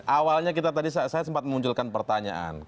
awalnya saya sempat menunjukan pertanyaan